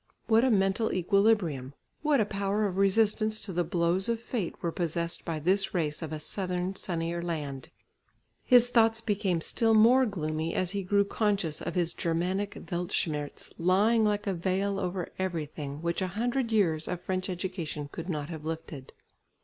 What a mental equilibrium, what a power of resistance to the blows of fate were possessed by this race of a southern sunnier land! His thoughts became still more gloomy as he grew conscious of his Germanic "Weltschmerz" lying like a veil over everything, which a hundred years of French education could not have lifted.